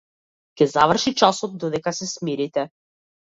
Ќе заврши часот додека се смирите.